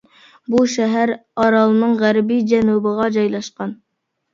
بۇ شەھەر ئارالنىڭ غەربىي جەنۇبىغا جايلاشقان.